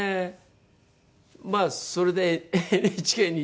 まあそれでＮＨＫに行って。